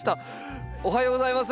おはようございます。